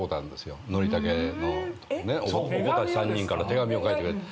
お子たち３人から手紙を書いてくれて。